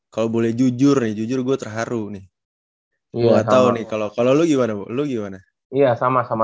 kalau boleh jujur jujur gua terharu nih gua tahu nih kalau kalau lu gimana lu gimana iya sama sama